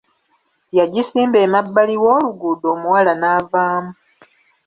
Yagisimba emabbali w'oluguudo omuwala n'avaamu.